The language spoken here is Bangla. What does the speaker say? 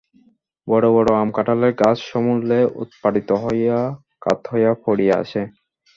বড়ো বড়ো আম-কাঁঠালের গাছ সমূলে উৎপাটিত হইয়া কাত হইয়া পড়িয়া আছে।